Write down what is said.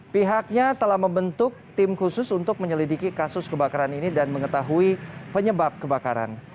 pihaknya telah membentuk tim khusus untuk menyelidiki kasus kebakaran ini dan mengetahui penyebab kebakaran